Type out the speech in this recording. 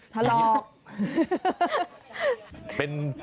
ทะลอก